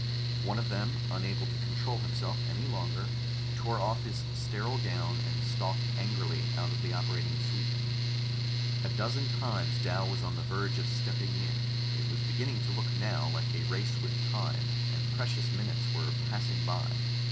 One of them, unable to control himself any longer, tore off his sterile gown and stalked angrily out of the operating suite. A dozen times Dal was on the verge of stepping in. It was beginning to look now like a race with time, and precious minutes were passing by.